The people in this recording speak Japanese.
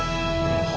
は